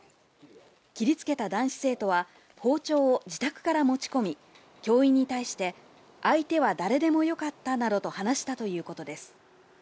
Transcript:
切りつけた男子生徒は、包丁を自宅から持ち込み、教員に対して、相手は誰でもよかったなどと話したということです。